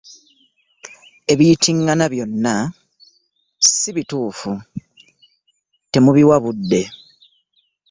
Ebiyitiŋŋana byonna si bituufu temubiwa budde.